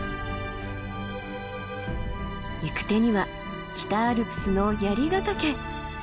行く手には北アルプスの槍ヶ岳。